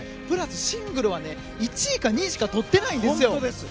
プラスシングルは１位か２位しか取ってないんですよ。